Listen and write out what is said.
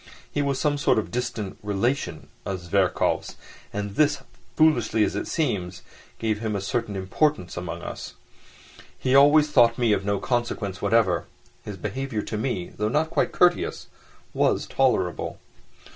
He was some sort of distant relation of Zverkov's, and this, foolish as it seems, gave him a certain importance among us. He always thought me of no consequence whatever; his behaviour to me, though not quite courteous, was tolerable.